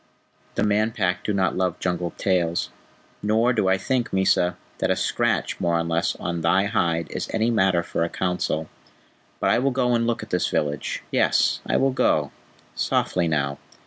"The Man Pack do not love jungle tales, nor do I think, Mysa, that a scratch more or less on thy hide is any matter for a council. But I will go and look at this village. Yes, I will go. Softly now.